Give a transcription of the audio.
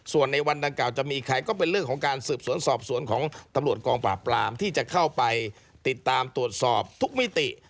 ส่วนในวันดังกล่าจะมีใครก็เป็นเรื่องของการสืบสวนสอบสวนของตำรวจกองปราบปรามที่จะเข้าไปติดตามตรวจสอบทุกมิติ